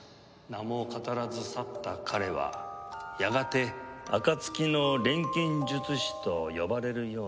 「名も語らず去った彼はやがて暁の錬金術師と呼ばれるようになりました」